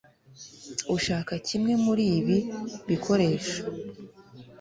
Urashaka bimwe muri ibi bikoresho